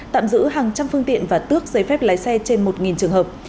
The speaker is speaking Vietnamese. tạm giữ hàng trăm phương tiện và tước giấy phép lái xe trên một trường hợp